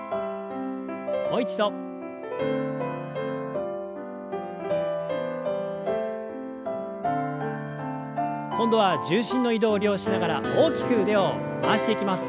もう一度。今度は重心の移動を利用しながら大きく腕を回していきます。